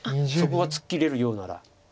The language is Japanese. そこは突っ切れるようなら。